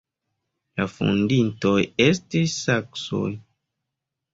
La fondintoj estis saksoj.